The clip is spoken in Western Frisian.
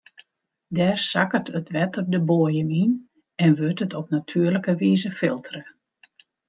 Dêr sakket it wetter de boaiem yn en wurdt it op natuerlike wize filtere.